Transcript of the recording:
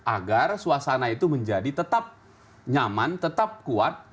agar suasana itu menjadi tetap nyaman tetap kuat